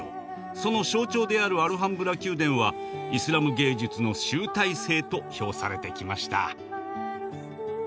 その象徴であるアルハンブラ宮殿はイスラム芸術の集大成と評されてきました。